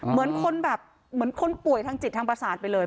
เหมือนคนแบบเหมือนคนป่วยทางจิตทางประสาทไปเลย